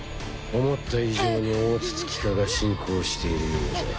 思った以上に大筒木化が進行しているようだ。